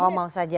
oh mau saja